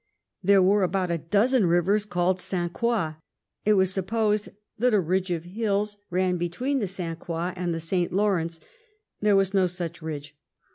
There were about a dozen rivers called St. Croix. It was supposed that a ridge of hills ran be tween the St. Croix and the St. Lawrence; there was no such ridge.